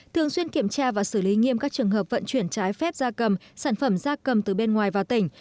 thường xuyên kiểm tra và xử lý nghiêm các trường hợp vận chuyển trái phép gia cầm sản phẩm da cầm từ bên ngoài vào tỉnh